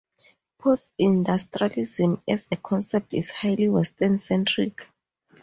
Post-industrialism as a concept is highly Western-centric.